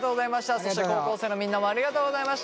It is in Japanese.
そして高校生のみんなもありがとうございました